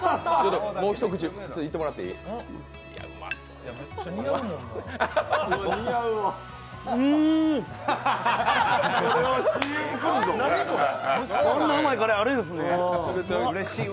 もう一口いってもらってていい？